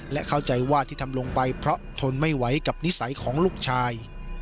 และเข้าใจว่าที่ทำลงไปเพราะทนไม่ไหวกับนิสัยของลูกชาย